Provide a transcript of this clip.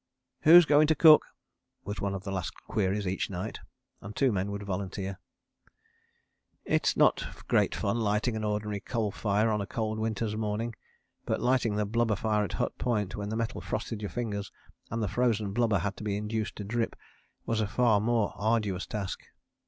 "Who's going to cook?" was one of the last queries each night, and two men would volunteer. It is not great fun lighting an ordinary coal fire on a cold winter's morning, but lighting the blubber fire at Hut Point when the metal frosted your fingers and the frozen blubber had to be induced to drip was a far more arduous task.